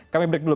kami break dulu